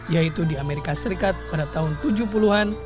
yaitu di amerika serikat pada tahun tujuh puluh an